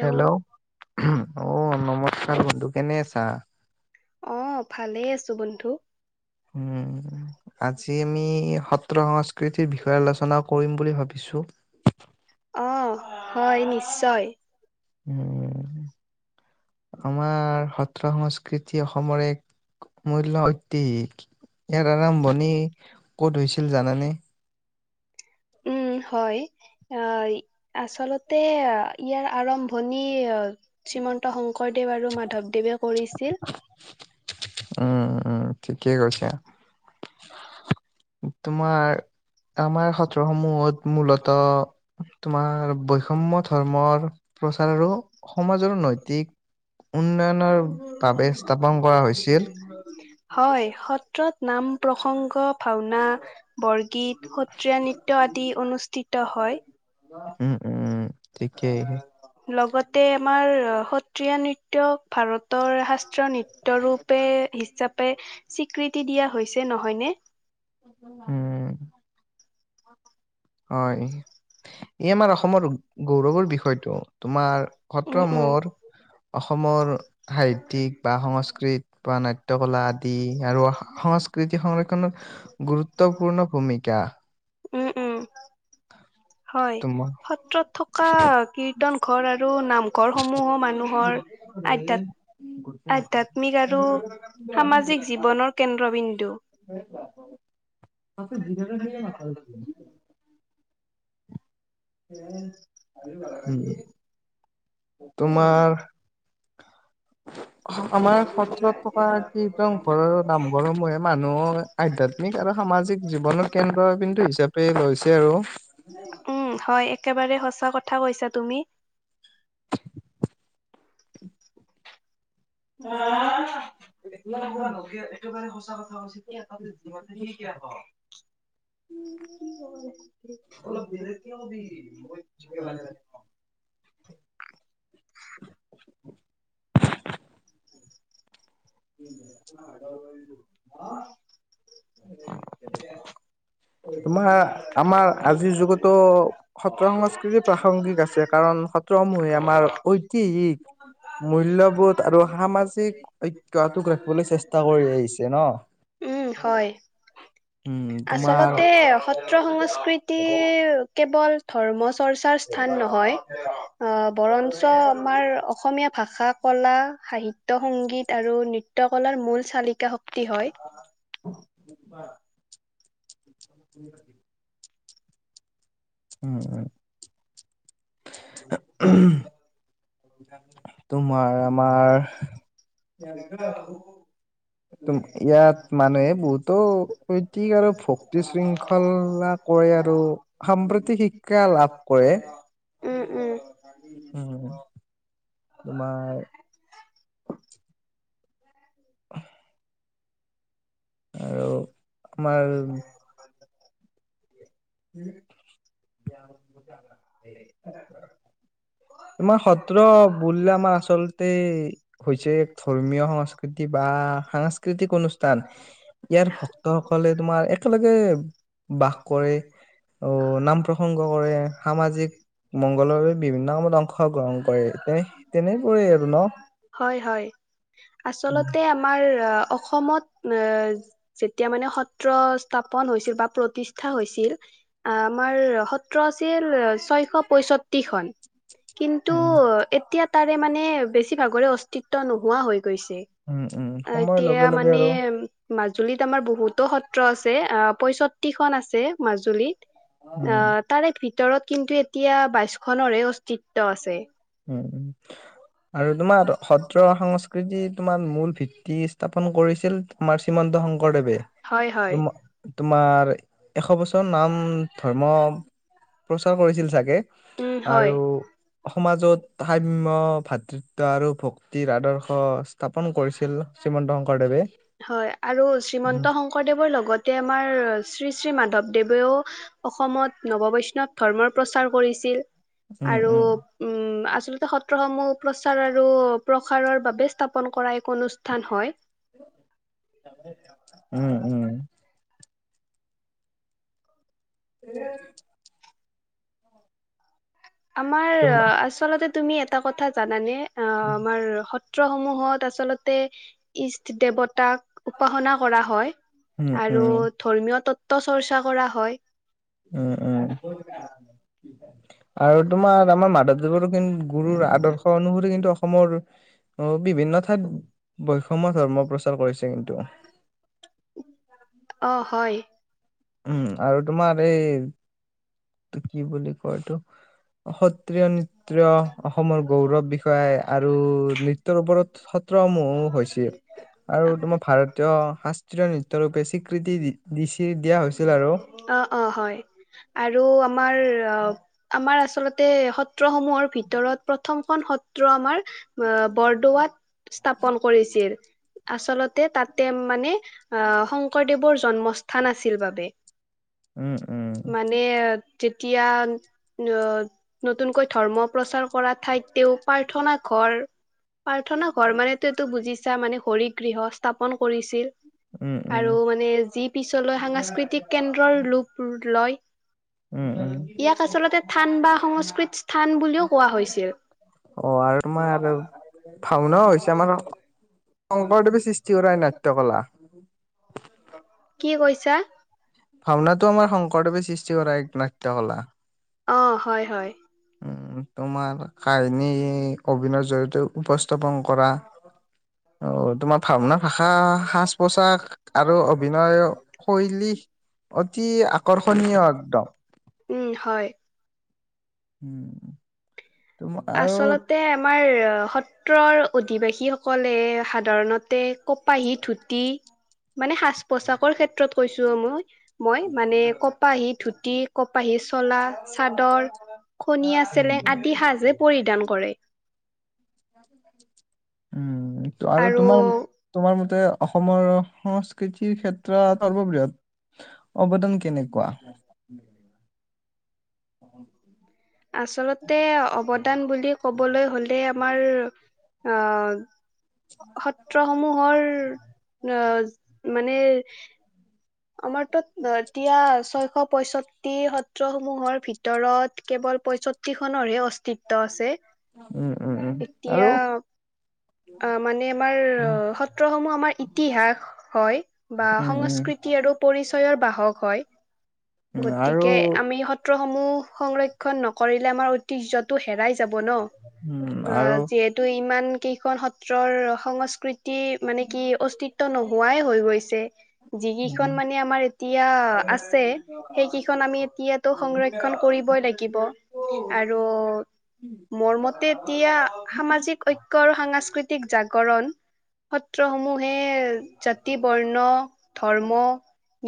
Hello hello অ নমস্কাৰ বন্ধু কেনে আছা? অ' ভালেই আছো বন্ধু। উম, আজি আমি স ত্ৰ। সংকৃতিৰ বিষয়ে আলোচনা কৰি বুলি ভাবি ভাবিছোঁ। অ' হয় নিশ্চয়। উম, আমাৰ সত্ৰ সংস্কৃতি অসমৰ এক আমূল্য ঐতিহ ইয়াৰ আৰম্ভণি ক'ত হৈছিল জানানে? উম, হয় অহ আচলতে ইয়াৰ আৰম্ভণি। শ্ৰীমন্ত শংকৰদেৱ আৰু মাধৱদেৱে কৰিছিল। উম, উম, ঠিকেই কৈছে। তোমাৰ আমাৰ সত্ৰসমূহত মূলত তোমাৰ বৈষম্য ধৰ্মৰ প্ৰচাৰ আৰু সমাজৰ নৈতিক উন্নয়নৰ বাবে স্থাপন কৰা হৈছিল। হয়। সত্ৰত নাম প্ৰসংগ ভাওনা বৰগীত, সত্ৰীয়া নৃত্য আদি অনুষ্ঠিত হয়। উম উম ঠিকেই লগত তে আমাৰ সত্ৰীয়া নৃত্যও ভাৰতৰ শাস ত্ৰ নৃত্যৰূপে হিচাপ পে স্বীকৃতি দিয়া হৈছে, নহয়নে? উম। হয়, এই আমাৰ অসমৰ গৌৰৱৰ বিষয়টো তোমাৰ উম সত্ৰসমূৰ উম অসমৰ সাহিত্যিক বা সংস্কৃত, বা নাট্যকলা আদি, আৰু সংস্কৃতি সংৰক্ষণত গুৰুত্বপূৰ্ণ ভূমিকা উম উম হয়, তোমাৰ সত্ৰত থকা কীৰ্তনঘৰ আৰু নামঘৰসমূহো মানুহৰ আধ্যাত-আধ্যাত্মিক আৰু সামাজিক জীৱনৰ কেন্দ্ৰবিন্দু। [inaudible] হম। তোমাৰ [inaudible] আমাৰ সত্ৰত থকা কীৰ্তনঘৰৰ, নামঘৰসমূহে মানুহ আধ্যাত্মিক আৰু সামাজিক জীৱনৰ কেন্দ্ৰবিন্দু হিচাপে লৈছে আৰু উম হয়, একেবাৰে সঁচা কথা কৈছা তুমি [unintelligible] এইটো মানে, সঁচা কথা হৈছে কি [unintelligible] [inaudible] তোমাৰ। আমাৰ আজিৰ যুগতো সত্ৰ সংস্কৃতি প্ৰাসংগিক আছে, কাৰণ সত্ৰসমূহে আমাৰ ঐতিহ্যিক মূল্যবোধ আৰু সামাজিক ঐ উম, হয়। উম তোমাৰ আচলতে সত্ৰ সংস্কৃতিৰ কেৱল ধৰ্মচ চৰ্চাৰ স্থান নহয়। বৰঞ্চ আমাৰ অসমীয়া ভাষাক কলা, সাহিত ত [unintelligible] নৃত্যকলাৰ মূল চালিকা [unintelligible] হয়। [unintelligible] উম। উম। তোমাৰ তোমাৰ ইয়াত মানুহে বহুতো শৈতিক আৰু ভক্তি শৃংখলা কৰে আৰু সাম্প্ৰতিক শিক্ষা লাভ কৰে, উম উম উম। তোমাৰ আৰু আমাৰ হয়। উম [inaudible] এতা [inaudible] তোমাৰ সত্ৰ বুল আমাৰ আচলতে, হৈছে ধৰ্মীয় সংস্কৃতি, বা সাংস্কৃতিক অনুষ্ঠান, ইয়াৰ ভক্তসকলে তোমাৰ একেলগে, বাস কৰে ও' নাম প্ৰসংগ কৰে সামাজিক মংগলৰ বাবে বিভিন্ন কামত অংশগ্ৰহণ কৰে তেনে তেনেবোৰে আৰু ন [inaudible] হয়-হয়, উম আচলতে আমাৰ অসমত যেতিয়া মানে সত্ৰ স্থাপন হৈছিল বা প্ৰতিষ্ঠা হৈছিল, আমাৰ সত্ৰ আছিল ছয়শ পয়ষষ্ঠিখনন কিন্তু উম এতিয়া তাৰে মানে বেছি ভাগৰে অস্তিত্ব নোহোৱা হয়। গৈছে, উম উম সময়ৰ এতিয়া লগে লগে মানে আৰু মাজুলীত আমাৰ বহুতো সত্ৰ আছে আ, পয়ষষ্ঠিখন আছে মাজুলীত। উম অ', তাৰে ভি ভিতৰত কিন্তু এতিয়া বাইশ খনৰৰহ অস্তিত্ব আছে। উম আৰু তোমাৰ সত্ৰ-সংস্কৃতিত তোমাৰ মূল ভিত্তি স্থাপন কৰিছিল, আমাৰ শ্ৰীমন্ত শংকৰ শংকৰদেৱে হয় হয় [inaudible] তোমাৰ এশ বছৰ নাম ধৰ্ম প্ৰচাৰ কৰিছিল চাগে উম, আৰু হয়। সমাজত সাম্য, ভাতৃত্ব আৰু ভক্তিৰ আদৰ্শ স্থাপন কৰিছিল, শ্ৰীমন্ত শংকৰদেৱে। হয়, আৰু উম শ্ৰীমন্ত শংকৰদেৱৰ লগতে আমাৰ শ্ৰী শ্ৰী মাধৱদেৱেও অসমত নৱ বৈষ্ণৱ ধৰ্মৰ প্ৰচাৰ কৰিছিল। আৰু উম, আচ লগতে সত্ৰসমূহ প্ৰচাৰ আৰু প্ৰসাৰৰ বাবে স্থাপন কৰা এক অনুষ্ঠান হয়। উম, উম। এ [inaudible] আমাৰ তুম আচলতে। তুমি এটা কথা জানানে? অ' আমাৰ সত সত্ৰসমূহত আচলতে ইষ্ট দেৱতাক উপাসনা কৰা হয় উম উম আৰু উম ধৰ্মীয় ত ত চৰ্চা কৰা হয়। উম, উম। আৰু তোমাৰ আমাৰ মাধৱদেৱৰো কিন্তু গুৰুৰ আদৰ্শ অনুসৰি কিন্তু অস অসমৰ বিভিন্ন ঠাইত বৈষম্য ধৰ্ম প্ৰচাৰ কৰিছে কিন্তু। অ', হয়। উম, আৰু তোমাৰ এই কি বুলি কয় এইটো সত্ৰীয় নৃত্ৰীয়। অসমৰ গৌৰৱ বিষয়াই। আৰু নৃত্যৰ ওপৰত। সত্ৰসমূ হৈছিল। আৰু তোমাৰ ভাৰতীয় শাস্ত্ৰীয় নৃত্য ৰূপে স্বীকৃতি দিছি দিয়া হৈছে। আছিল আৰু অ, অ হয় আৰু। আমাৰ আমাৰ আচলতে সত্ৰসমূহৰ ভিতৰত প্ৰথমখন সত্ৰ আমাৰ অ বৰদোৱাত স্থাপন কৰিছিল আচলতে তাতে মানে অ শংকৰদেৱৰ জন্মস্থান আছিল বাবে। উম, উম। মানে যেতিয়া অ নতুনকৈ ধৰ্ম প্ৰচাৰ কৰা ঠাইত তেওঁ প্ৰাৰ্থনা ঘৰ প্ৰাৰ্থনা ঘৰ মানে তটো বুজিছা মানে হৰি গৃহ স্থাপন কৰিছিল। উম উম আৰু মানে যি পিছলৈ সাংস্কৃতিক ৰ লূপ লয় উম উম ইয়াক আচলতে থান বা সংস্কৃত স্থান বুলিও কোৱা হৈছিল। অ আৰু তোমাৰ ভাওনাও হৈছে আমাৰ শংকৰদেৱে সৃষ্টি কৰাই নাট্যকলা। [unintelligible] কি কৈছা। ভাৱনাটো আমাৰ শংকৰদেৱে সৃষ্টি কৰা এক [unintelligible] অ, হয়, হয়। উ তোমাৰ কাহিনী অভিনয়ৰ জৰিয়তে উপস্থাপন কৰা অ তোমাৰ ভাওনা-ভাষা, সাজ-পোছাক আৰু অভিনয় শৈলী অতি আকৰ্ষণীয় একদম। উম, হয়। উম তোম আৰু আচলতে আমাৰ আ সত্ৰৰ অধিবাসীসকলে সাধাৰণতে কপাহী, ধুতি, মানে সাজ-পোছাকৰ ক্ষেত্ৰত কৈছো অ মই। মই মানে কপাহী ধুত তি কপাহী চলা, চাদৰ, খনীয়াা, চেলেং আদি সাজ দান কৰে উম উ আৰু তোমাৰ, তোমাৰ মতে অসমৰ সংস্কৃত কৃিৰ ক্ষেত্ৰত সৰ্ববৃহৎ অৱদান কেনেকুৱা? আচলতে অৱদান বুলি কবলৈ হ'লে আমাৰ আহ সত্ৰসমূহৰ আহ মানে আমাৰ তত এতিয়া ছয়শ পয়চ তি সত্ৰসমূহৰ ভিতৰত কেৱল পয়ষষ্ঠিখনৰহে অ উম, উম উম এতিয়া আৰু অ মানে আমাৰ উম সত্ৰসমূহ আমাৰ ইতিহাস হয় বা উম উম সংস্কৃতি আৰু প পৰিচয়ৰ বাহক হয়। উম, আৰু গতিকে আমি স ত্ৰ সমূহ সংৰক্ষণ নকৰিলে আমাৰ ঐতিহ্যটো হেৰা যাব ন, উম আৰু এ যিহেতু ইমান কেই খন সত্ৰৰ সংস্কৃৃত তি মানে কি অস্তিত ত' নোহোৱাই হৈ গৈছে। উম যিকেইখন মানে আমাৰ এতিয়া আছে সেইকেইখন আমি এতিয়াতো সংৰক্ষণ কৰিবই লাগিব আৰু মোৰমতে এতিয়া সামাজিক ঐকয় আৰু সাংস্কৃতিক জাগৰণ সত্ৰ সমূহে জাতি বৰ্ণ ধৰ্ম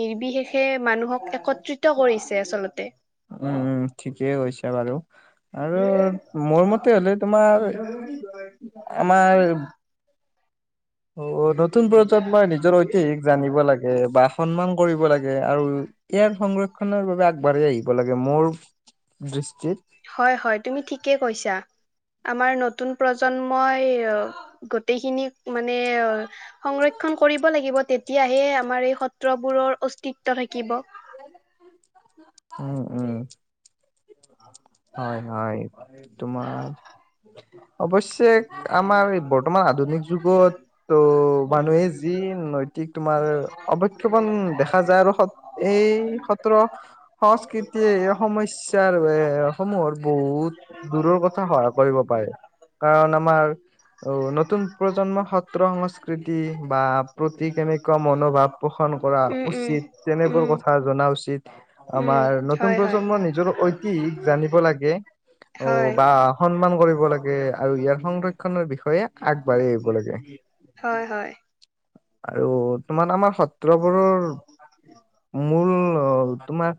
নিৰ্বিশেষে মানুহক একত ্ৰিত কৰিছে আচলতে উম ঠিকেই গৈছে বাৰু আৰু মোৰ মতে হলে তোমাৰ আমাৰ অ নতুন পৰজত মই নিজৰ ঐতিহিক জানিব লাগে বা সন্মান কৰিব লাগে আৰু ইয়াৰ সংৰক্ষণৰ বাবে আগবাঢ়ি আহিব লাগে মোৰ দৃষ্টিত হয় হয় তুমি ঠিকে কৈছা আমাৰ নতুন প্ৰজন্মই গোটেইখিনি মানে অ সংৰক্ষণ কৰিব লাগিব তেতিয়া তেতিয়াহে আমাৰ এই সত্ৰবোৰৰ অ প্ত থাকিব [inaudible] উম উম হয় হয় তোমাৰ অৱশ্্যে আমাৰ বৰ্তমান আধুনিক যুগত ত মানুহে যি নৈতিক তোমাৰ অৱক্ষেপন দেখা যায় আৰু এই সত্ৰ সংস্কৃতিয়ে সমস্য়াৰ এ সমূহত বহুত দূৰৰ কথা সহায় কৰিব পাৰে কাৰণ আমাৰ নতুন প্ৰজন্মৰ সত্ৰ সংস্কৃতি বা প্ৰতি কেনেকুৱা মনোভাৱ পোষণ কৰা উম উম উচিত তেনেবোৰ উম কথা জনা উচিত উম আমাৰ নতুন হয় হয় প্ৰজন্মৰ নিজৰ ঐতিহিক জানিব লাগে অ হয় বা সন্মান কৰিব লাগে আৰু ইয়াৰ সংৰক্ষ খনৰ বিষয়ে আগবাঢ়ি আহিব লাগে হয় হয় আৰু তোমাৰ আমাৰ সত্ৰবোৰৰ মূল তোমাৰ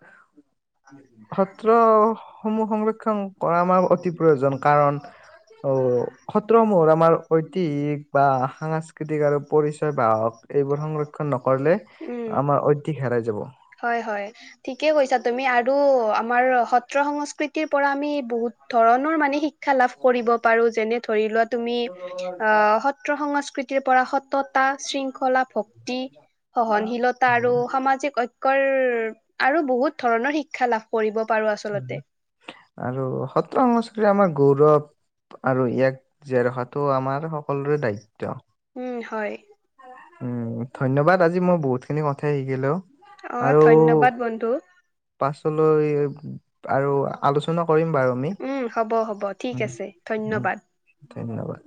সত্ৰ সমূহ সংৰক্ষণ কৰা আমাৰ অতি প্ৰয়োজন কাৰণ অ সত্ৰসমূহৰ আমাৰ ঐতিহিক বা সাংস্কৃতিক আৰু পৰি বা হক এইবোৰ সংৰক্ষণ নকৰিলে উম আমাৰ অধিক হেৰাই যাব হয় হয় ঠিকে কৈছা তুমি আৰু আমাৰ সত্ৰ সংস্কৃতিৰ পৰা আমি বহুত ধৰণৰ মানে শিক্ষা লাভ কৰিব পাৰো যেনে ধৰি লোৱা তুমি অ সত্ৰ সংস্কৃতি পৰাশত তা শৃংখলা ভক্তি সহনশীলতা আৰু সামাজিক শ আৰু বহুত ধৰণৰ শিক্ষ আৰু সত্ৰ সংস্কৃ আমাৰ গৌৰৱ আৰু ইয়াক জেৰহাটো আমাৰ হওক সকলোৰে দায়িত্ব উম হয় উম ধন্যবাদ আজি মই বহুতখিনি কথাই শিকিলো অ আৰু ধন্যবাদ বন্ধু পাছ [unintelligible] আৰু আলোচ উম হ'ব হ'ব ঠিক উম, আছে উম, ধন্যবাদ। ধন্যবাদ।